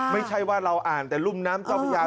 ไม่ใช่ว่าเราอ่านแต่รุ่มน้ำเจ้าพระยา